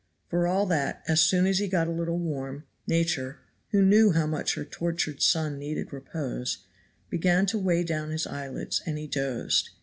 For all that, as soon as he got a little warm, Nature, who knew how much her tortured son needed repose, began to weigh down his eyelids, and he dozed.